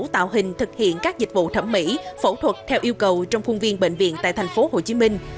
thực hiện các dịch vụ thẩm mỹ phẫu thuật theo yêu cầu trong khuôn viên bệnh viện tại thành phố hồ chí minh